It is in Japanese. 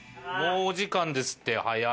もうお時間ですって。